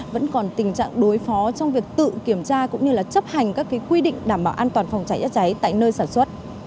vẫn còn tình trạng đối phó trong việc tự kiểm tra cũng như là chấp hành các quy định đảm bảo an toàn phòng cháy chất cháy tại nơi sản xuất